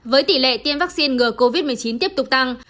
với tỷ lệ tiêm vaccine ngừa covid một mươi chín tiếp tục tăng